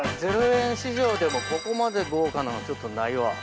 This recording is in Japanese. ０円史上でもここまで豪華なんはちょっとないわ。